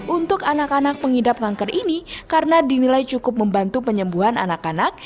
untuk anak anak pengidap kanker ini karena dinilai cukup membantu penyembuhan anak anak